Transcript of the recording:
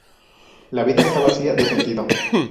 La vida está vacía de sentido.